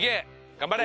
頑張れ。